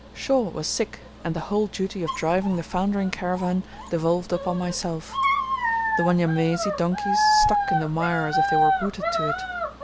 Shaw was sick, and the whole duty of driving the foundering caravan devolved upon myself. The Wanyamwezi donkeys stuck in the mire as if they were rooted to it.